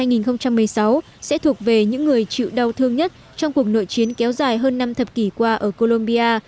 năm hai nghìn một mươi sáu sẽ thuộc về những người chịu đau thương nhất trong cuộc nội chiến kéo dài hơn năm thập kỷ qua ở colombia